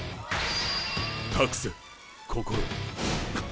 託せ心を。